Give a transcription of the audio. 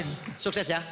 mas sukses ya